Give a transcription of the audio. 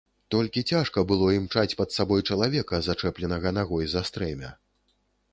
Толькі цяжка было імчаць пад сабой чалавека, зачэпленага нагой за стрэмя.